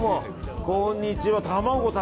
こんにちは。